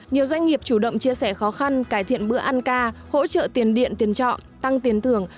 nhiều doanh nghiệp chủ động chia sẻ khó khăn cải thiện bữa ăn ca hỗ trợ tiền điện tiền trọn tăng tiền thưởng